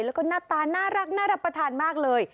แล้วก็หน้าตาน่ารักน่ารับประทานมากเลย